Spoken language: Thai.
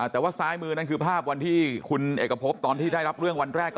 แต่ว่าซ้ายมือนั่นคือภาพวันที่คุณเอกพบตอนที่ได้รับเรื่องวันแรก